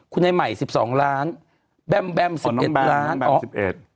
คุณให้ใหม่สิบสองล้านแบมแบมสิบเอ็ดล้านอ๋อน้องแบมน้องแบมสิบเอ็ด